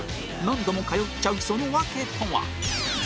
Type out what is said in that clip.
何度も通っちゃうその訳とは？